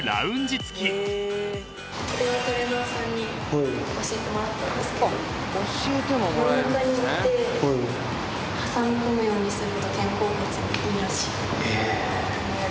これはトレーナーさんに教えてもらったんですけど真ん中に寝て挟み込むようにすると肩甲骨にいいらしい。